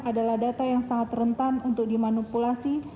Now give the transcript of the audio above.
adalah data yang sangat rentan untuk dimanipulasi